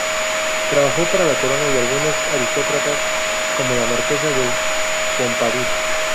Trabajó para la corona y para algunos aristócratas, como la marquesa de Pompadour.